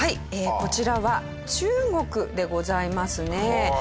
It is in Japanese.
こちらは中国でございますね。